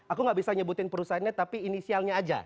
aku gak bisa nyebutin perusahaannya tapi inisialnya aja